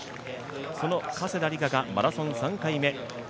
その加世田梨花がマラソン３回目。